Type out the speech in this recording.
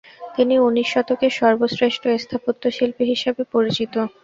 তিনি উনিশ শতকের সর্বশ্রেষ্ঠ স্থাপত্যশিল্পী হিসাবে পরিচিত।